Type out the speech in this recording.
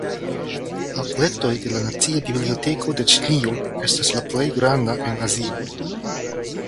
La kolektoj de la nacia biblioteko de Ĉinio estas la plej grandaj en Azio.